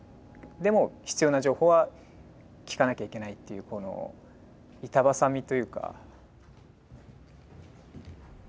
でも必要な情報は聞かなきゃいけないっていうこの板挟みというか。